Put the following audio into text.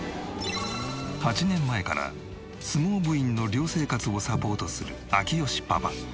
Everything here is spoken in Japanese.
８年前から相撲部員の寮生活をサポートする明慶パパ。